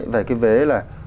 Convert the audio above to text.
về cái vế là